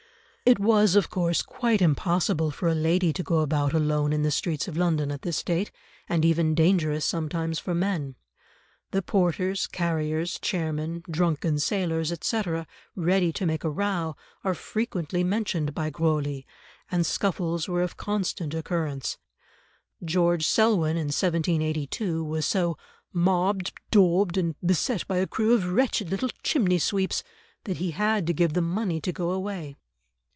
It was of course quite impossible for a lady to go about alone in the streets of London at this date, and even dangerous sometimes for men. The porters, carriers, chairmen, drunken sailors, etc., ready to make a row, are frequently mentioned by Grosley, and scuffles were of constant occurrence. George Selwyn in 1782 was so "mobbed, daubed, and beset by a crew of wretched little chimney sweeps" that he had to give them money to go away.